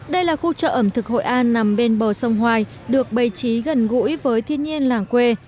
đây là khu chợ ẩm thực hội an nằm bên bờ sông hoài được bày trí gần gũi với thiên nhiên làng quê